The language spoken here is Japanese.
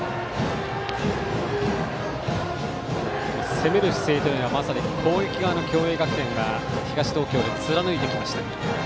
攻める姿勢というのは攻撃側の共栄学園は東東京で貫いてきました。